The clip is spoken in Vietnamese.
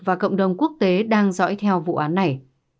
và cộng đồng quốc tế đang dõi theo vụ án này